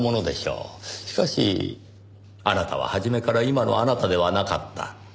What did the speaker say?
しかしあなたは初めから今のあなたではなかった。